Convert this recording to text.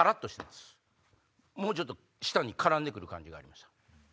もうちょっと舌に絡んで来る感じがありました。